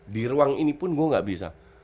di ruang ini pun gue gak bisa